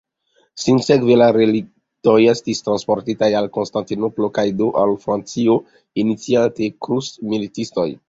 Sinsekve la relikvoj estis transportitaj al Konstantinopolo kaj do al Francio iniciate krucmilitistoj.